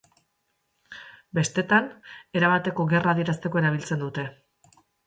Bestetan, erabateko gerra adierazteko erabiltzen dute.